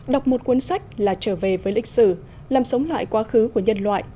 đọc một cuốn sách là trở về với lịch sử làm sống lại quá khứ của nhân loại